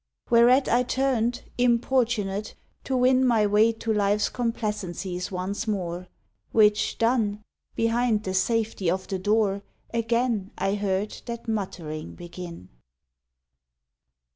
Whereat I turned, importunate, to win My way to life s complacencies once more; Which done, behind the safety of the door Again I heard that muttering begin.